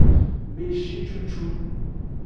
Beshi cucu.